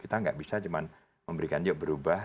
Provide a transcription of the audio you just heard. kita tidak bisa cuma memberikan job berubah